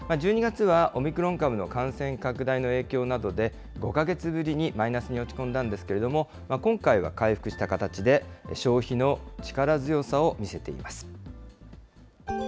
１２月はオミクロン株の感染拡大の影響などで、５か月ぶりにマイナスに落ち込んだんですけれども、今回は回復した形で、消費の力強さを見せています。